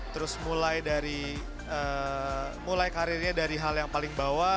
terus mulai karirnya dari hal yang paling bawah